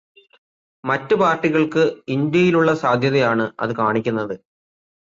മറ്റ് പാർട്ടികൾക്ക് ഇന്ത്യയിലുള്ള സാധ്യതയാണ് അത് കാണിക്കുന്നത്.